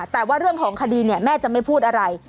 แต่ว่าเรื่องของคดีเนี่ยแม่จะไม่พูดอะไร